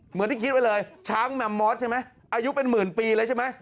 เหมือนที่คิดไว้เลยช้างแมมมอสใช่ไหมอายุเป็นหมื่นปีเลยใช่ไหม